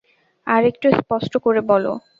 আর-একটু স্পষ্ট করে বলো।